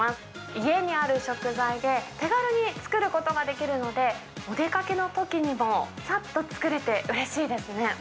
家にある食材で、手軽に作ることができるので、お出かけのときにも、さっと作れてうれしいですね。